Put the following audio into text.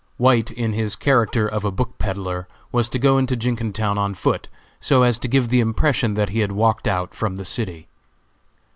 White, in his character of a book peddler, was to go into Jenkintown on foot, so as to give the impression that he had walked out from the city.